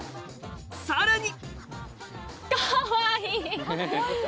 さらに！